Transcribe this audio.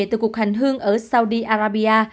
từ cuộc hành hương ở saudi arabia